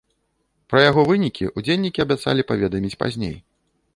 Пра яго вынікі ўдзельнікі абяцалі паведаміць пазней.